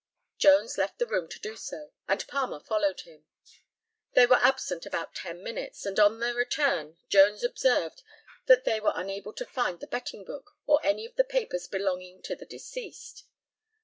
Jones left the room to do so, and Palmer followed him. They were absent about ten minutes, and on their return Jones observed that they were unable to find the betting book or any of the papers belonging to the deceased.